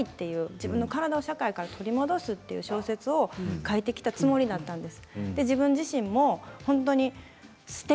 自分を社会から取り戻すという小説を書いてきたつもりだったんです。